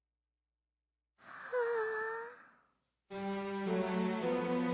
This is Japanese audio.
はあ。